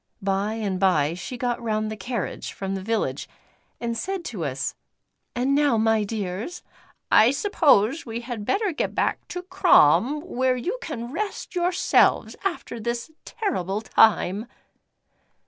By and bye she got round the carriage from the village and said to us: "And now my dears, I suppose we had better get back to Crom, where you can rest yourselves after this terrible time."